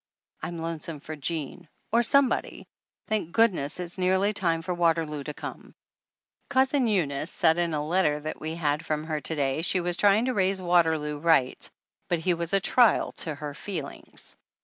I'm lonesome for Jean or somebody ! Thank goodness it is nearly time for Waterloo to come ! Cousin Eunice said in a letter that we had from her to day she was trying to raise Waterloo right, but he was a trial to her feelings